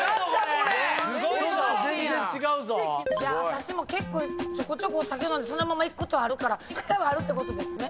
私もちょこちょこお酒飲んでそのまま行くことあるから１回はあるってことですね。